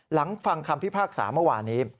ฟังคำพิพากษาเมื่อวานี้